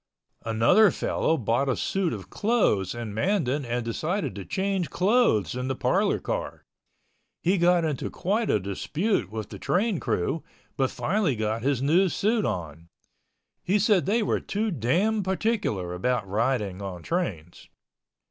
Another fellow bought a suit of clothes in Mandan and decided to change clothes in the parlor car. He got into quite a dispute with the train crew, but finally got his new suit on. He said they were too damn particular about riding on trains.